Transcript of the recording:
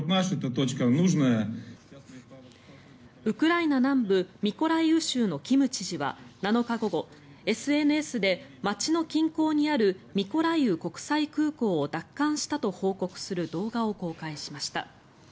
ウクライナ南部ミコライウ州のキム知事は７日午後、ＳＮＳで街の近郊にあるミコライウ国際空港を奪還したと報告する動画を公開しました。